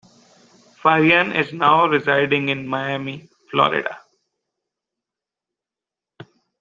Farian is now residing in Miami, Florida.